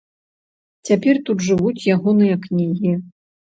Цяпер тут жывуць ягоныя кнігі.